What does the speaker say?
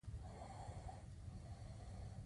کروندګر کرنه کوي.